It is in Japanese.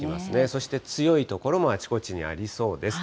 そして強い所もあちこちにありそうです。